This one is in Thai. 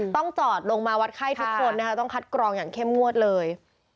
ต้องจอดลงมาวัดไข้ทุกคนนะคะต้องคัดกรองอย่างเข้มงวดเลย